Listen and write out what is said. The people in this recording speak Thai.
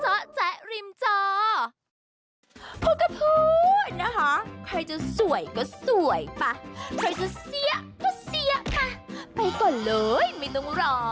จ๊อคแจ๊ะริมจ้อโพกะพื้นนะคะใครจะสวยก็สวยป่ะใครจะเสี้ยก็เสี้ยป่ะไปก่อนเลยไม่ต้องรอ